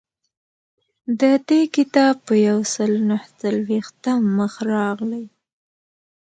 د دې کتاب په یو سل نهه څلویښتم مخ راغلی.